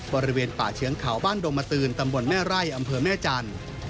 บริเวณป่าเชียงเขาบ้านดมตืนตำบลแม่ไร่อำเภอแม่จันทร์